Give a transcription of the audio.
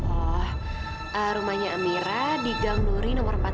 oh rumahnya amira di gang nuri nomor empat puluh